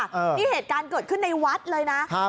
นี่เหตุการณ์เกิดขึ้นในวัดเลยนะครับ